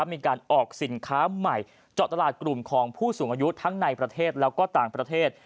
มีการออกสินค้าใหม่เจาะตลาดกลุ่มของผู้สูงอายุทั้งในประเทศแล้วก็ต่างประเทศ